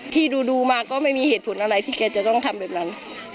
ที่ดูมาก็ไม่มีเหตุผลอะไรที่แกจะต้องทำแบบนั้น